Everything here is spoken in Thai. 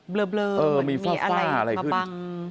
เบลอมีอะไรมาบัง